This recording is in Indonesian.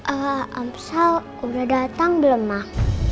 eh om sal udah datang belum mak